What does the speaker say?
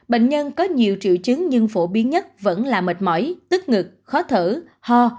bệnh nhân có nhiều triệu chứng nhưng phổ biến nhất vẫn là mệt mỏi tức ngực khó thở ho